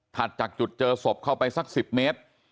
จากจุดเจอศพเข้าไปสัก๑๐เมตร